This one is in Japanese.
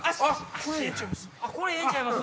これええんちゃいます？